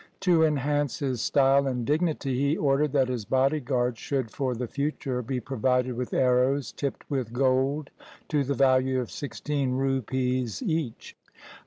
To enhance his style and dignity he ordered that his body guard should for the future be provided with arrows tipped with gold to the value of sixteen rupees each.